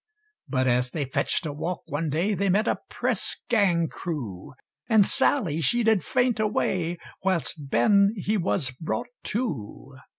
But as they fetch'd a walk one day, They met a press gang crew; And Sally she did faint away, Whilst Ben he was brought to.